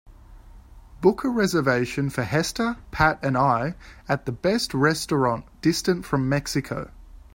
Book a reservation for hester, pat and I at the best restaurant distant from Mexico